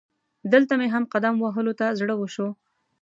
دلته مې هم قدم وهلو ته زړه وشو.